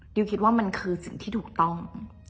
คิดว่ามันคือสิ่งที่ถูกต้อง